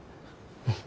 うん。